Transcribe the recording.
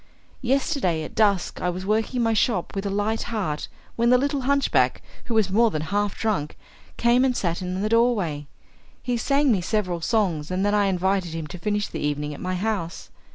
Yesterday, at dusk, I was working in my shop with a light heart when the little hunchback, who was more than half drunk, came and sat in the doorway. He sang me several songs, and then I invited him to finish the evening at my house.